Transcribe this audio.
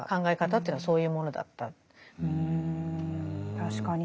確かに。